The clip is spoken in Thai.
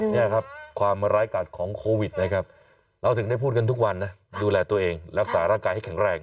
นี่ครับความร้ายกาดของโควิดนะครับเราถึงได้พูดกันทุกวันนะดูแลตัวเองรักษาร่างกายให้แข็งแรง